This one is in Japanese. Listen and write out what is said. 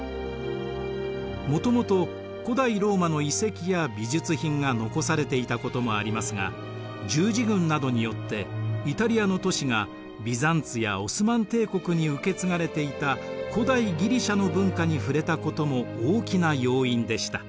もともと古代ローマの遺跡や美術品が残されていたこともありますが十字軍などによってイタリアの都市がビザンツやオスマン帝国に受け継がれていた古代ギリシアの文化に触れたことも大きな要因でした。